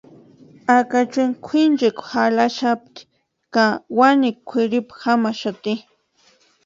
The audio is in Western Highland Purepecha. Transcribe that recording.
Acachueni kwʼinchekwa jarhaxapti ka wanikwa kwʼiripu jamaxapti.